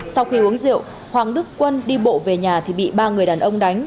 sau khi uống rượu hoàng đức quân đi bộ về nhà thì bị ba người đàn ông đánh